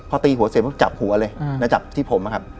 พอตีหัวเสร็จเขาก็จับหัวเลยจับที่ผมอะครับ